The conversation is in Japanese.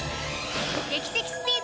劇的スピード！